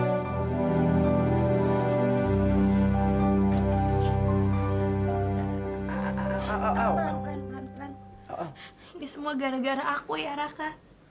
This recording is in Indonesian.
ini semua gara gara aku ya raka